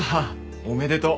おめでとう。